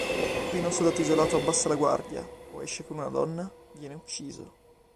Appena un soldato isolato abbassa la guardia, o esce con una donna, viene ucciso.